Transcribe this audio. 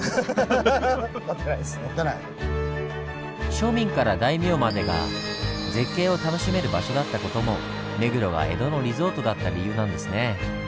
庶民から大名までが絶景を楽しめる場所だった事も目黒が江戸のリゾートだった理由なんですねぇ。